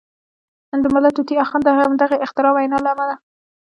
د ملا طوطي اخند د همدغې اختراعي وینا له امله.